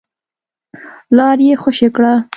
لاره يې خوشې کړه.